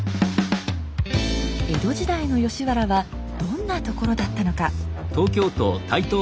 江戸時代の吉原はどんなところだったのか。